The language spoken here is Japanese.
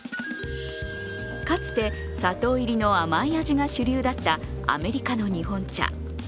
かつて砂糖入り甘い味が主流だったアメリカの日本茶。